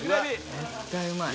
絶対うまい。